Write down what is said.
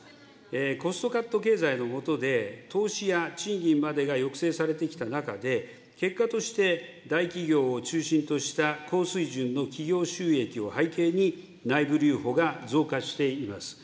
コストカット経済の下で、投資や賃金までが抑制されてきた中で、結果として、大企業を中心とした高水準の企業収益を背景に、内部留保が増加しています。